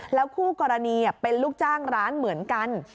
คู่กรณีเป็นลูกจ้างร้านเหมือนกัน